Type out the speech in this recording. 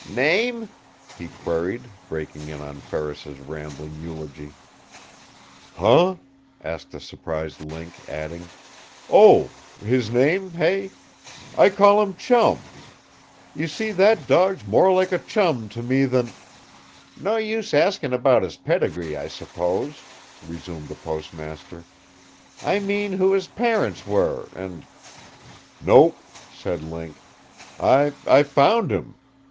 "Name?" he queried, breaking in on Ferris's rambling eulogy. "Huh?" asked the surprised Link, adding: "Oh, his name, hey? I call him 'Chum.' You see, that dawg's more like a chum to me than " "No use asking about his pedigree, I suppose," resumed the postmaster, "I mean who his parents were and " "Nope," said Link. "I I found him.